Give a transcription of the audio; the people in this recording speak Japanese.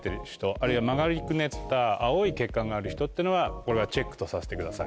あるいは曲がりくねった青い血管がある人っていうのはこれはチェックとさせてください。